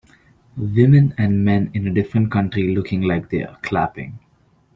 women and men in a different country looking like they are clapping